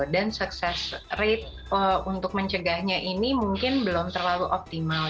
dan sukses rate untuk mencegahnya ini mungkin belum terlalu optimal